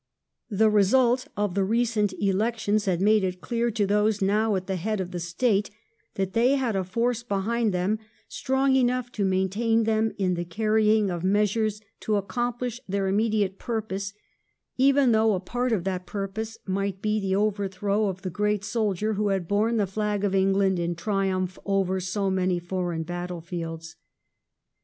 The result of the recent elections had made it clear to those now at the head of the State that they had a force behind them strong enough to maintain them in the carrying of measures to accomplish their immediate purpose, even though a part of that purpose might be the overthrow of the great soldier who had borne the flag of England in triumph over so many foreign battlefields.